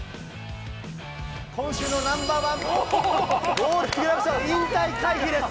今週のナンバー１プレーは、ゴールデングラブ賞、引退回避です。